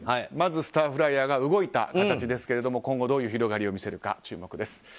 まず、スターフライヤーが動いた形ですが今後、どういう広がりを見せるか注目です。